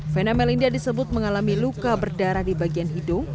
vena melinda disebut mengalami luka berdarah di bagian hidung